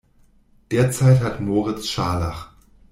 Derzeit hat Moritz Scharlach.